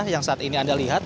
yang saat ini anda lihat